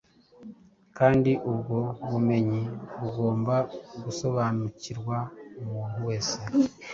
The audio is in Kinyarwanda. kandi ubwo bumenyi bugomba gusobanukira umuntu wese